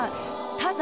ただ。